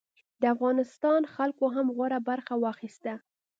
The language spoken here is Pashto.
د افغانستان خلکو هم غوره برخه واخیسته.